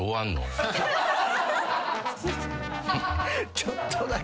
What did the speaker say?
ちょっとだけ。